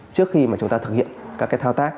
trước khi mà chúng ta thực hiện các cái thao tác